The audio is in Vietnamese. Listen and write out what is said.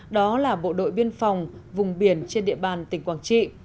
đó là bộ đội biên phòng vùng biển trên địa bàn tỉnh quảng trị